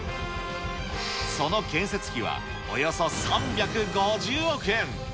その建設費はおよそ３５０億円。